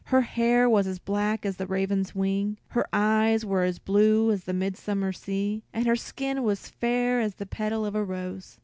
Her hair was as black as the raven's wing, her eyes were as blue as the midsummer sea, and her skin was fair as the petal of a rose.